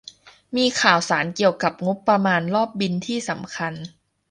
มีข่าวสารเกี่ยวกับงบประมาณรอบบิลที่สำคัญ